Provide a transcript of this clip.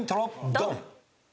ドン！